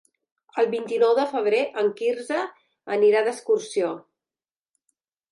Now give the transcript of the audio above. El vint-i-nou de febrer en Quirze anirà d'excursió.